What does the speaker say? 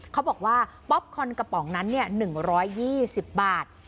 เขาบอกว่าป๊อปคอนกระป๋องนั้น๑๒๐บาท